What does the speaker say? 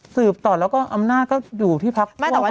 สืบต่อแล้วอำนาจก็อยู่ที่ภักดาเวียงเดียว